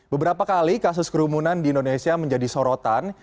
beberapa kali kasus kerumunan di indonesia menjadi sorotan